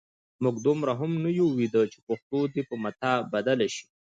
موږ دومره هم نه یو ویده چې پښتو دې په متاع بدله شي.